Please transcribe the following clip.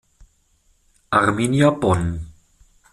Arminia Bonn.